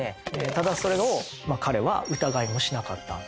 ただそれを彼は疑いもしなかった。